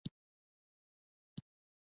سلام ډاکټر صاحب، څنګه یاست؟